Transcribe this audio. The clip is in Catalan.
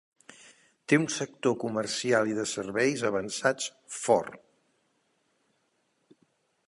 Té un sector comercial i de serveis avançats fort.